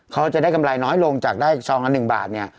เขาจะได้กำไรน้อยลงจากได้ซองละ๑บาทเนี่ย